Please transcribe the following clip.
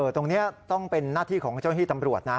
ตรงนี้ต้องเป็นหน้าที่ของเจ้าที่ตำรวจนะ